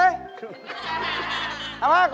เหปาตะเกะเหปาตะเกะ